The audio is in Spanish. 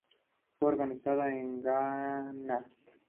Fue organizado en Ghana.